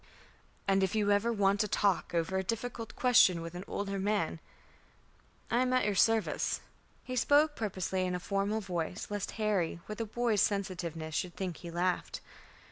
"And if ever you want to talk over a difficult question with an older man, I am at your service." He spoke purposely in a formal voice, lest Harry with a boy's sensitiveness should think he laughed.